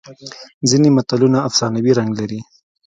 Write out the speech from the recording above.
ځینې متلونه افسانوي رنګ لري